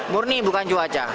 murni bukan cuaca